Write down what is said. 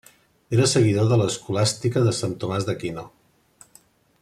Era seguidor de l'escolàstica de Sant Tomàs d'Aquino.